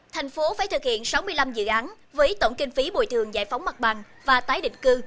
thành phố phải thực hiện sáu mươi năm dự án với tổng kinh phí bồi thường giải phóng mặt bằng và tái định cư